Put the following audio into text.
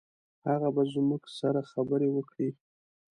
هغه به زموږ سره خبرې وکړي.